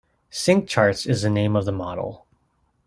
SyncCharts is the name of the model.